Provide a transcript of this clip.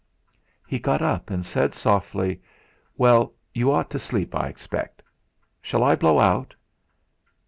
He got up, and said softly: "Well, you ought to sleep, I expect. Shall I blow out?"